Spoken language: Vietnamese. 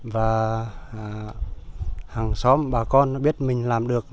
và hàng xóm bà con biết mình làm được